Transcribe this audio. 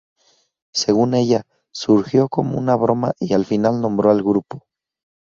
Según ella, surgió como una broma y al final nombró al grupo